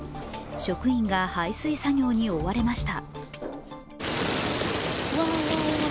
職員が排水作業に追われました。